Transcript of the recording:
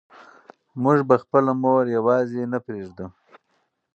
موږ به خپله مور یوازې نه پرېږدو.